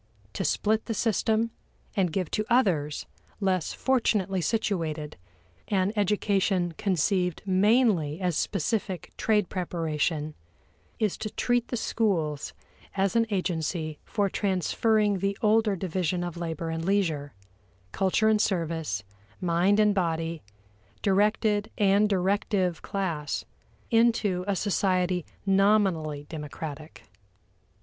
To split the system, and give to others, less fortunately situated, an education conceived mainly as specific trade preparation, is to treat the schools as an agency for transferring the older division of labor and leisure, culture and service, mind and body, directed and directive class, into a society nominally democratic.